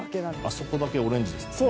あそこだけオレンジですね。